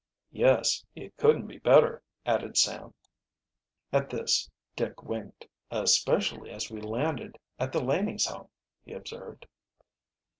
"Yes, it couldn't be better," added Sam. At this Dick winked. "Especially as we landed at the Lanings' home," he observed.